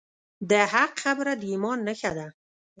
د حق خبره د ایمان نښه ده.